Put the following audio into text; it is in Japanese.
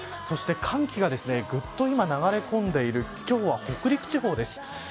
そして寒気がぐっと流れ込んでいる今日は北陸地方です。